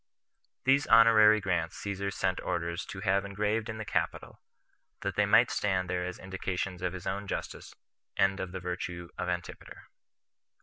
These honorary grants Caesar sent orders to have engraved in the Capitol, that they might stand there as indications of his own justice, and of the virtue of Antipater.